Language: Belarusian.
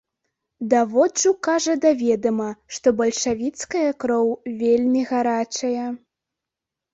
Даводжу, кажа, да ведама, што бальшавіцкая кроў вельмі гарачая.